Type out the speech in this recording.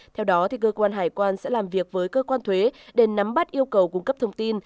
theo đó cơ quan hải quan sẽ làm việc với cơ quan thuế để nắm bắt yêu cầu cung cấp thông tin